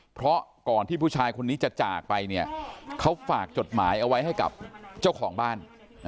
เพราะก่อนที่ผู้ชายคนนี้จะจากไปเนี่ยเขาฝากจดหมายเอาไว้ให้กับเจ้าของบ้าน